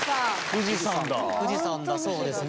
富士山だそうですね。